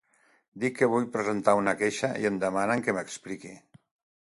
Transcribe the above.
Dic que vull presentar una queixa i em demanen que m’expliqui.